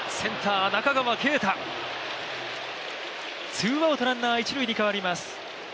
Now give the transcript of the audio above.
ツーアウトランナー一塁に変わります。